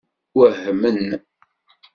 Wehmen.